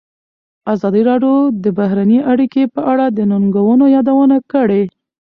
ازادي راډیو د بهرنۍ اړیکې په اړه د ننګونو یادونه کړې.